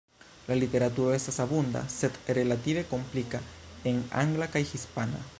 La literaturo estas abunda sed relative komplika, en angla kaj hispana.